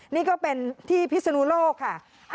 นี่ก็เป็นที่พิศนุโลกค่ะ